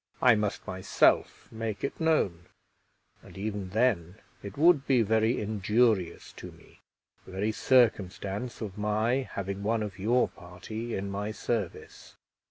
I must myself make it known, and even then it would be very injurious to me, the very circumstance of my having one of your party in my service.